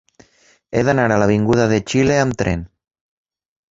He d'anar a l'avinguda de Xile amb tren.